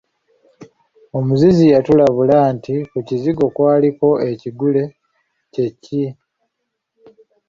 Omuzizi yatulabula nti ku kizigo kwaliko ekigule kye ki?